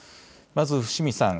まず伏見さん。